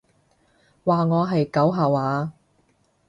話我係狗吓話？